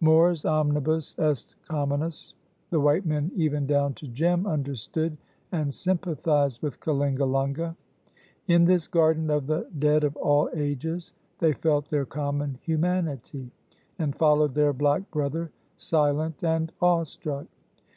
"Mors omnibus est communis!" The white men, even down to Jem, understood and sympathized with Kalingalunga. In this garden of the dead of all ages they felt their common humanity, and followed their black brother silent and awestruck.